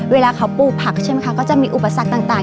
เวลาเขาปลูกผักใช่ไหมคะก็จะมีอุปสรรคต่าง